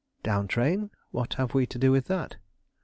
"Down train? What have we to do with that?"